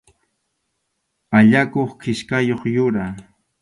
Allakuq kichkayuq yura.